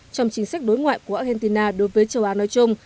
trong chính sách đối ngoại của argentina đối với châu á nói chung